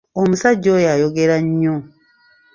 Omusajja oyo ayogera nnyo.